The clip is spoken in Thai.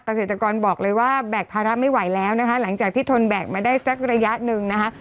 เกษตรกรบอกเลยว่าแบกภาระไม่ไหวแล้วนะคะหลังจากที่ทนแบกมาได้สักระยะหนึ่งนะคะ